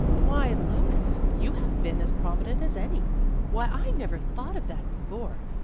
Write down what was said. " Why, Lois, you have been as prominent as any ! Why, I never thought of that before.